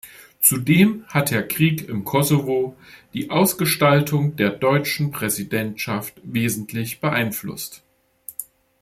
Zudem hat der Krieg im Kosovo die Ausgestaltung der deutschen Präsidentschaft wesentlich beeinflusst.